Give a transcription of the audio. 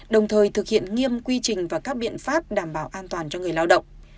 đồng thời thực hiện nghiêm quy trình và các biện pháp đảm bảo an toàn cho người lao động